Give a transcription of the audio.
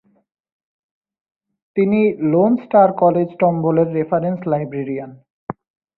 তিনি lone star কলেজ-টম্বলের reference librarian.